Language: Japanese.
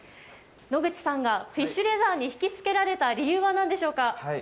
野口さんがフィッシュレザーに引き付けられた理由はなんでしょう